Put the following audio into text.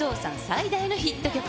最大のヒット曲。